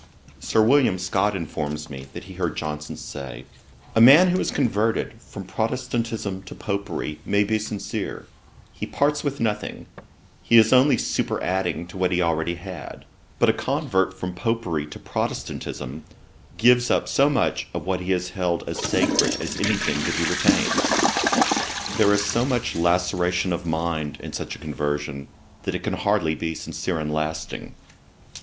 Sir William Scott informs me, that he heard Johnson say, 'A man who is converted from Protestantism to Popery may be sincere: he parts with nothing: he is only superadding to what he already had. But a convert from Popery to Protestantism gives up so much of what he has held as sacred as any thing that he retains; there is so much laceration of mind in such a conversion, that it can hardly be sincere and lasting.'